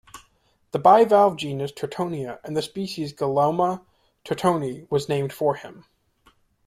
The bivalve genus "Turtonia" and the species "Galeomma turtoni" was named for him.